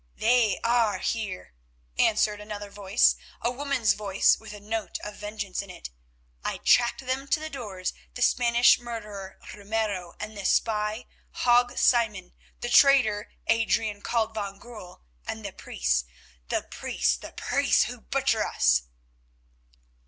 "They are here," answered another voice, a woman's voice with a note of vengeance in it. "I tracked them to the doors, the Spanish murderer Ramiro, the spy Hague Simon, the traitor Adrian, called van Goorl, and the priests, the priests, the priests who butcher us."